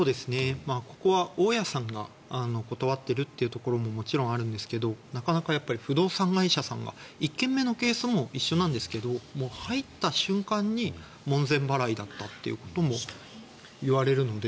ここは大家さんが断っているということももちろんあるんですけどなかなか、不動産会社さんが１件目のケースも一緒なんですが入った瞬間に門前払いだったということも言われるので。